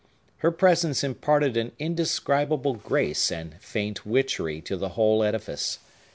Her presence imparted an indescribable grace and faint witchery to the whole edifice.